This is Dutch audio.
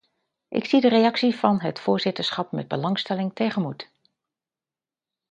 Ik zie de reactie van het voorzitterschap met belangstelling tegemoet.